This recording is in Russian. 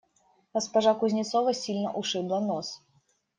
Госпожа Кузнецова сильно ушибла нос.